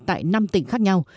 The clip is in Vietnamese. tại năm tỉnh khác nhau